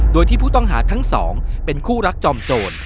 โดยที่ผู้ต้องหาทั้งสองเป็นคู่รักจอมโจร